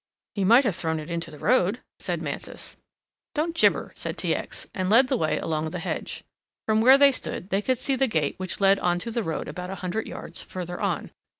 "He might have thrown it into the road," said Mansus. "Don't jibber," said T. X., and led the way along the hedge. From where they stood they could see the gate which led on to the road about a hundred yards further on.